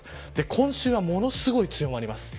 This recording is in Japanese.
今週は、ものすごい強まります。